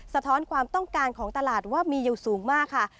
สะท้อนความต้องการของตลาดว่ามีอยู่สูงมากค่ะ